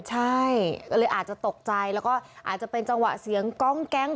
ใช่ก็เลยอาจจะตกใจแล้วก็อาจจะเป็นจังหวะเสียงกองแก๊ง